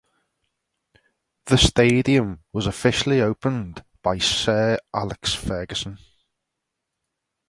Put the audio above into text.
The stadium was officially opened by Sir Alex Ferguson.